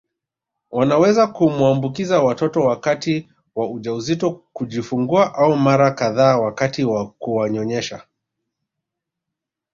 Wanaweza kumwaambukiza watoto wakati wa ujauzito kujifungua au mara kadhaa wakati wa kuwanyonyesha